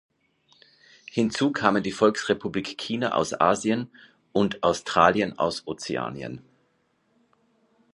Hinzu kamen die Volksrepublik China aus Asien und Australien aus Ozeanien.